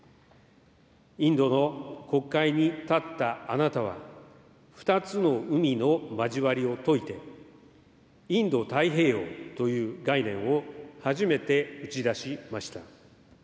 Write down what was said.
インドの国会に立ったあなたは、二つの海の交わりを説いて、インド太平洋という概念を初めて打ち出しました。